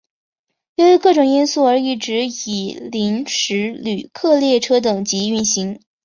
由于各种因素而一直以临时旅客列车等级运行。